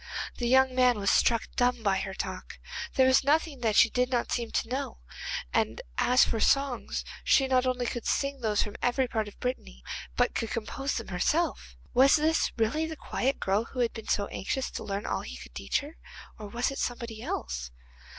The young man was struck dumb by her talk. There was nothing that she did not seem to know, and as for songs she not only could sing those from every part of Brittany, but could compose them herself. Was this really the quiet girl who had been so anxious to learn all he could teach her, or was it somebody else?